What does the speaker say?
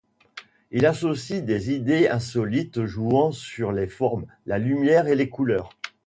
Il associe des idées insolites jouant sur les formes, la lumière, et les couleurs.